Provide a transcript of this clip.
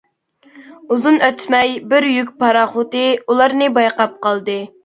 ئۇزۇن ئۆتمەي، بىر يۈك پاراخوتى ئۇلارنى بايقاپ قالدى.